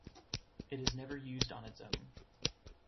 It is never used on its own.